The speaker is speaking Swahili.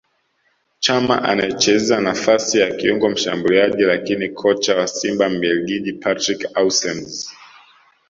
Chama anayecheza nafasi ya kiungo mshambuliaji lakini Kocha wa Simba Mbelgiji Patrick Aussems